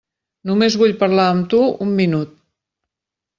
Només vull parlar amb tu un minut.